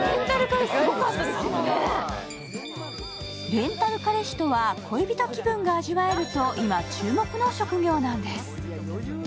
レンタル彼氏は、恋人気分が味わえると今、注目の職業なんです。